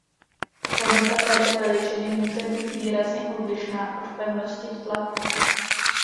Hodnota této veličiny může být výrazně odlišná od pevnosti v tlaku.